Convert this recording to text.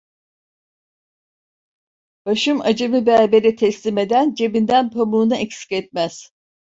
Başım acemi berbere teslim eden, cebinden pamuğunu eksik etmez.